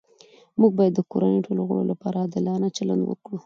موږ باید د کورنۍ ټولو غړو لپاره عادلانه چلند وکړو